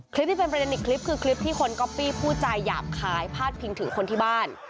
คลิปที่เป็นประเด็นอีกคลิปคือคลิปที่คนก๊อปปี้ผู้ใจหยาบคายพาดพิงถึงคนที่บ้าน